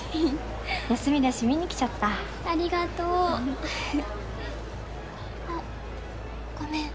休みだし見に来ちゃったありがとうあっごめん